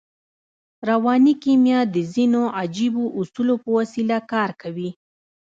رواني کیمیا د ځينو عجیبو اصولو په وسیله کار کوي